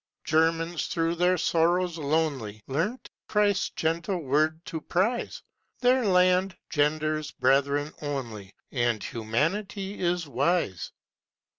Germans through their sorrows lonely Learnt Christ's gentle word to prize; Their land 'genders brethren only, And humanity is wise.